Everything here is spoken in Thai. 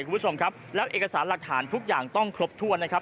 คุณผู้ชมครับแล้วเอกสารหลักฐานทุกอย่างต้องครบถ้วนนะครับ